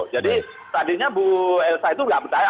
jadi tadinya bu elsa itu gak percaya